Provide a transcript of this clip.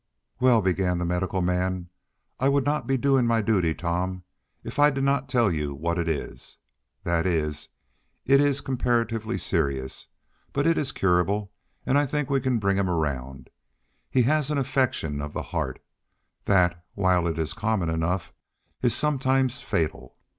"Well," began the medical man, "I would not be doing my duty, Tom, if I did not tell you what it is. That is, it is comparatively serious, but it is curable, and I think we can bring him around. He has an affection of the heart, that, while it is common enough, is sometimes fatal.